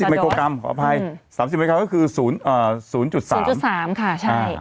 ๓๐ไมโครกรัมก็คือ๐๓ค่ะ